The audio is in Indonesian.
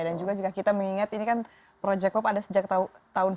dan juga kita mengingat ini kan project pop ada sejak tahun sembilan puluh enam